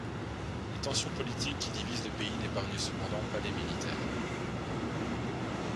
Les tensions politiques qui divisent le pays n’épargnent cependant pas les militaires.